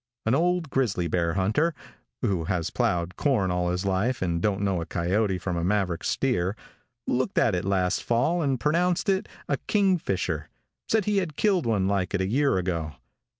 An old grizzly bear hunter who has plowed corn all his life and don't know a coyote from a Maverick steer looked at it last fall and pronounced it a "kingfisher," said he had killed one like it a year ago.